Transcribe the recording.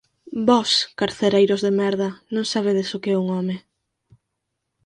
Vós, carcereiros de merda, non sabedes o que é un home.